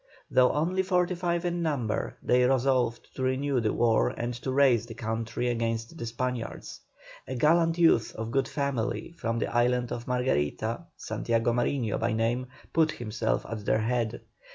Though only forty five in number, they resolved to renew the war and to raise the country against the Spaniards. A gallant youth of good family, from the island of Margarita, Santiago Mariño by name, put himself at their head.